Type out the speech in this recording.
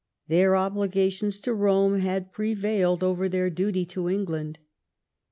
Their obligations to Rome had prevailed over their duty to England.